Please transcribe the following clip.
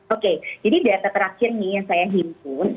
oke jadi data terakhir nih yang saya himpun